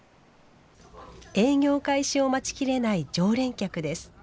営業開始を待ちきれない常連客です